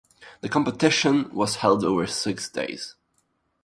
The competition was held over six days.